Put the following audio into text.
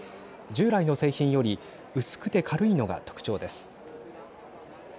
従来の製品より薄くて軽いのが特徴です。